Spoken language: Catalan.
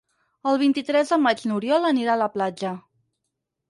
El vint-i-tres de maig n'Oriol anirà a la platja.